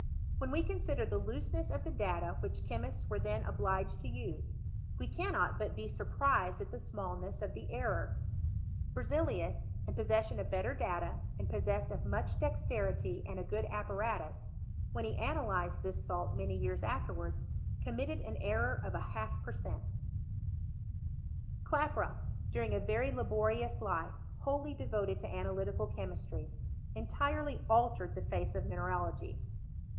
When we consider the looseness of the data which chemists were then obliged to use, we cannot but be surprised at the smailness of the error. Berzelius, in possession of better data, and possessed of much dexterity, and & good apparatus, when he analyzed this salt many years afterwards, committed an error of a half per cent, Klaproth, during a very laborious life, wholly de voted to analytical chemistry, entirely altered the face of mineralogy.